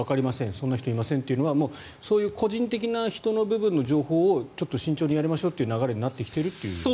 そんな人いませんっていうのはそんな個人的な部分の人の情報はちょっと慎重にやりましょうという流れになってきていると。